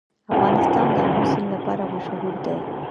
افغانستان د آمو سیند لپاره مشهور دی.